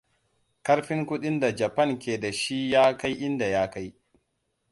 Ƙarfin kuɗin da Japan ke da shi ya kai inda ya kai.